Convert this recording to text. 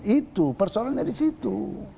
itu persoalannya di situ